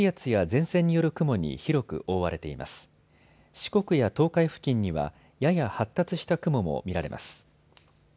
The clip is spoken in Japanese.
四国や東海付近には、やや発達した雲も見られます。